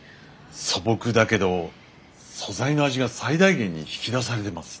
素朴だけど素材の味が最大限に引き出されてます。